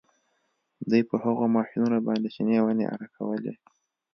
دوی په هغو ماشینونو باندې شنې ونې اره کولې